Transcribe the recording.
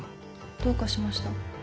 どうかしました？